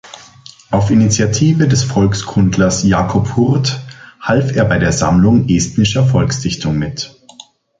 Auf Initiative des Volkskundlers Jakob Hurt half er bei der Sammlung estnischer Volksdichtung mit.